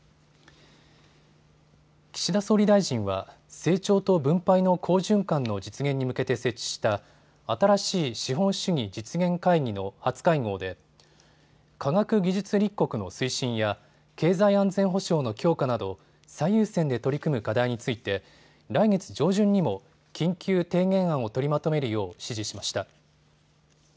岸田総理大臣は成長と分配の好循環の実現に向けて設置した新しい資本主義実現会議の初会合で科学技術立国の推進や経済安全保障の強化など最優先で取り組む課題について来月上旬にも緊急提言案を取りまとめるよう指示しました。